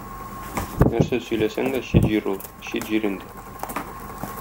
Нәрсә сөйләсәң дә чит җир ул - чит җир инде.